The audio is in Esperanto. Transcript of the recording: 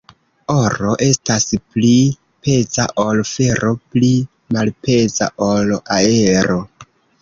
Oro estas pli peza ol fero, pli malpeza ol aero.